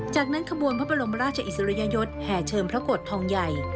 จากนั้นขบวนพระบรมราชอิสริยยศแห่เชิมพระกฏทองใหญ่